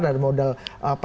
dan modal apa